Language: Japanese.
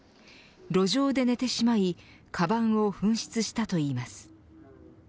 路上で寝てしまいかばんを紛失したといいます。